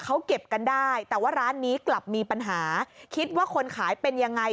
เขาเก็บกันได้แต่ว่าร้านนี้กลับมีปัญหาคิดว่าคนขายเป็นยังไง